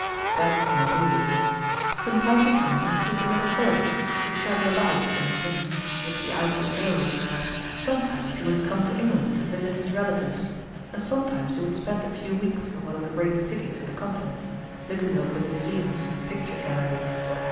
But not always. From time to time he has taken little holidays to travel about and mix with the outer world. Sometimes he would come to England to visit his relatives, and sometimes he would spend a few weeks in one of the great cities of the Continent, looking over the museums and picture galleries.